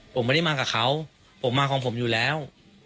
ผมไม่ได้มากับเขาผมมาของผมอยู่แล้ว